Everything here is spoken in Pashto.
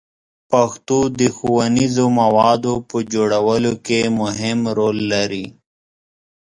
پښتو د ښوونیزو موادو په جوړولو کې مهم رول لري.